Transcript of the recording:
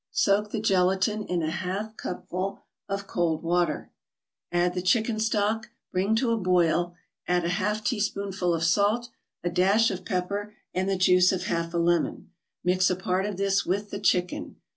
Soak the gelatin in a half cupful of cold water, add the chicken stock, bring to a boil, add a half teaspoonful of salt, a dash of pepper, and the juice of half a lemon. Mix a part of this with the chicken.